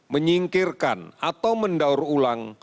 menyingkirkan atau mendaur ulang